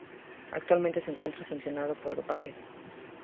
Actualmente se encuentra sancionado por dopaje.